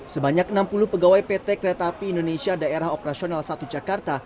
sebanyak enam puluh pegawai pt kereta api indonesia daerah operasional satu jakarta